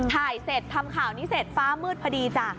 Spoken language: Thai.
ถ่ายเสร็จทำข่าวนี้เสร็จฟ้ามืดพอดีจ้ะ